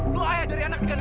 lo ayah dari anak negara dia